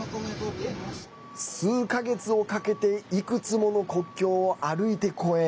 数か月をかけていくつもの国境を歩いて越え